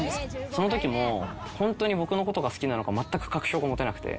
そのときもホントに僕のことが好きなのかまったく確証が持てなくて。